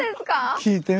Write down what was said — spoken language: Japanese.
聞いてみ。